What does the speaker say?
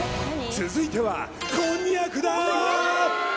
続いてはこんにゃくだー！